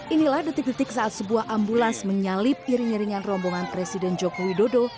inilah detik detik saat sebuah ambulans menyalip iring iringan rombongan presiden joko widodo